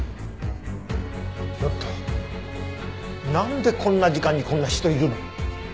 ちょっとなんでこんな時間にこんな人いるの？